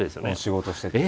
仕事してて。